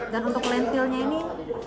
dan untuk lentilnya ini